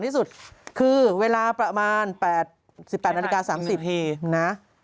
ถึง๒๑น๓๐